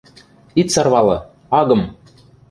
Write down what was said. Ит сарвалы, агым!..